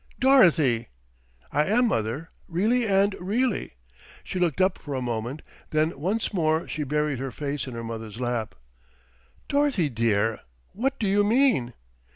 "Dorothy!" "I am, mother, really and really." She looked up for a moment, then once more she buried her face in her mother's lap. "Dorothy dear, what do you mean?"